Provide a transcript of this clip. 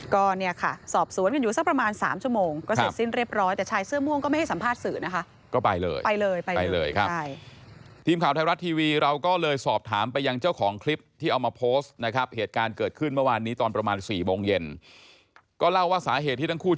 ก็เนี่ยค่ะสอบสวนกันอยู่สักประมาณ๓ชั่วโมงก็เสร็จสิ้นเรียบร้อยแต่ชายเสื้อม่วงก็ไม่ให้สัมภาษณ์สื่อนะคะ